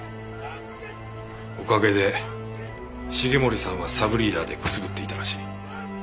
おかげで繁森さんはサブリーダーでくすぶっていたらしい。